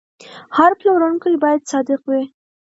هر پلورونکی باید صادق وي.